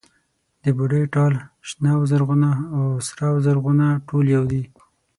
د بوډۍ ټال، شنه و زرغونه او سره و زرغونه ټول يو دي.